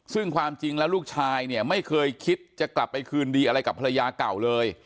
ซึ่งความจริงแล้วลูกชายเนี่ยไม่เคยคิดจะกลับไปคืนดีอะไรกับภรรยาเก่าเลย